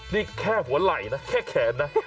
นี่แค่หัวไหล่นะแค่แขนนะ